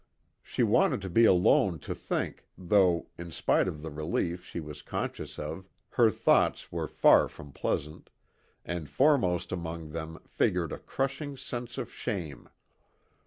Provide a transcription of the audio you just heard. She wanted to be alone to think, though, in spite of the relief she was conscious of, her thoughts were far from pleasant, and foremost among them figured a crushing sense of shame.